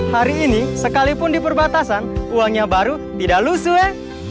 hari ini sekalipun di perbatasan uangnya baru tidak lusuh ya